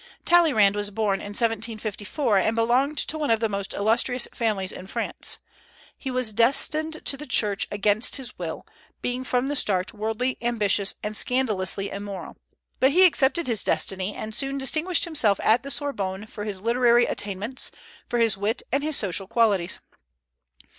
Talleyrand was born in 1754, and belonged to one of the most illustrious families in France. He was destined to the Church against his will, being from the start worldly, ambitious, and scandalously immoral; but he accepted his destiny, and soon distinguished himself at the Sorbonne for his literary attainments, for his wit and his social qualities.